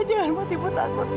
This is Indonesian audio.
jangan buat ibu takut ya